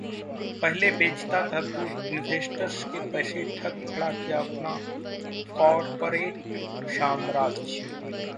पहले बेचता था दूध, इन्वेस्टर्स के पैसे ठग खड़ा किया अपना कॉर्पोरेट साम्राज्य